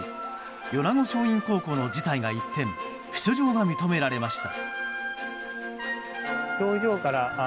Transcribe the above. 米子松蔭高校の辞退が一転出場が認められました。